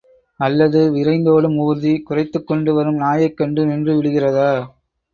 அல்லது விரைந்தோடும் ஊர்தி, குரைத்துக்கொண்டு வரும் நாயைக் கண்டு நின்று விடுகிறதா?